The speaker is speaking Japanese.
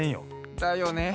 だよね！